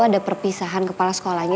ada perpisahan kepala sekolahnya